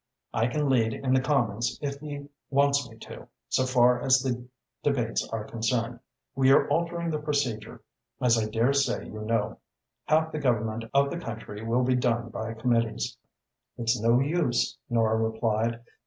I can lead in the Commons if he wants me to, so far as the debates are concerned. We are altering the procedure, as I dare say you know. Half the government of the country will be done by committees." "It's no use," Nora replied.